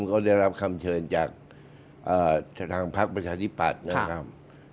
ก็ได้รับคำเชิญจากทางพักประชาธิปัตย์นะครับ